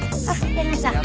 やりましたね。